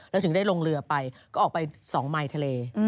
แล้วถึงได้ลงเรือไปก็ออกไปสองไมค์ทะเล